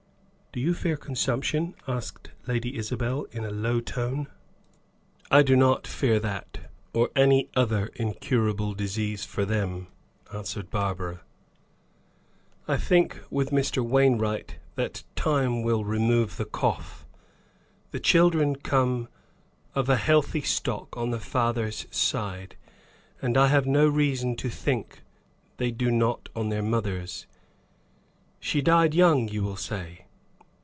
"Do you fear consumption?" asked Lady Isabel, in a low tone. "I do not fear that, or any other incurable disease for them," answered Barbara. "I think, with Mr. Wainwright, that time will remove the cough. The children come of a healthy stock on the father's side; and I have no reason to think they do not on their mother's. She died young you will say.